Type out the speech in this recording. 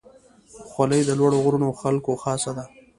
خولۍ د لوړو غرونو خلکو خاصه ده.